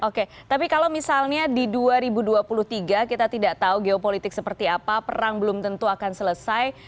oke tapi kalau misalnya di dua ribu dua puluh tiga kita tidak tahu geopolitik seperti apa perang belum tentu akan selesai